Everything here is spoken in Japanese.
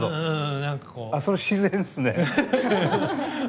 それ、自然ですね！